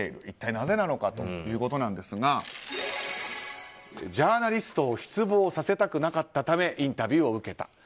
一体なぜなのかということですがジャーナリストを失望させたくなかったためインタビューを受けた。